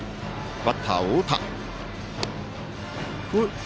バッター、太田。